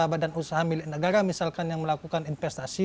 badan usaha milik negara misalkan yang melakukan investasi